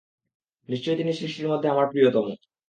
নিশ্চয় তিনি সৃষ্টির মধ্যে আমার প্রিয়তম।